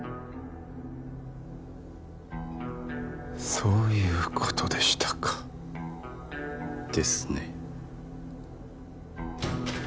そういうことでしたかですね